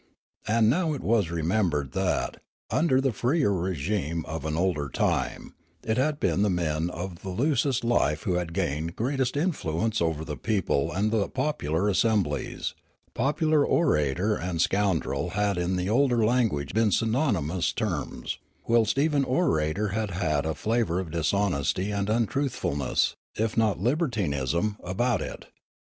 And now it was remembered that, under the freer regime of an olden time, it had been men of the loosest life who had gained greatest influence over the people and the popular assemblies ; popular orator and scoun drel had in the older language been synonymous terms; whilst even orator had had a flavour of dishonesty and untruthfulness, if not libertinism, about it.